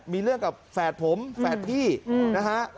มีเรื่องกับแฝดผมแฝดพี่นะฮะ